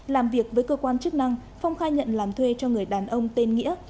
làm việc với cơ quan chức năng phong khai nhận làm thuê cho người đàn ông tên nghĩa